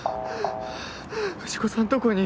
藤子さんどこに。